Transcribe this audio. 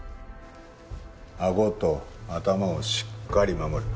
あごと頭をしっかり守る。